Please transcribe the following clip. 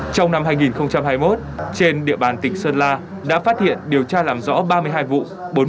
trong năm hai nghìn hai mươi một trên địa bàn tỉnh sơn la đã phát hiện điều tra làm rõ ba mươi hai vụ